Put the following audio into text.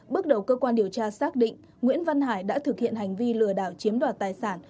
bước đầu cơ quan điều tra xác định nguyễn văn hải đã thực hiện hành vi lừa đảo chiếm đoạt tài sản